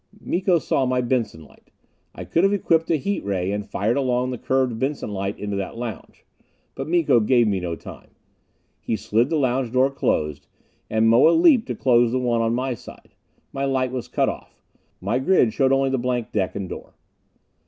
Miko saw my Benson light. I could have equipped a heat ray, and fired along the curved Benson light into that lounge. But Miko gave me no time. He slid the lounge door closed, and Moa leaped to close the one on my side. My light was cut off; my grid showed only the blank deck and door.